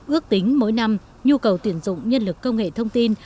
ước tính mỗi năm nhu cầu tuyển dụng nhân lực công nghệ thông tin